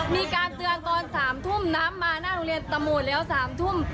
มีการเตือนตอน๓ทุ่มน้ำมาหน้าโรงเรียนตะหมดแล้ว๓ทุ่ม